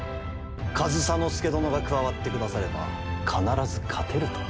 上総介殿が加わってくだされば必ず勝てると。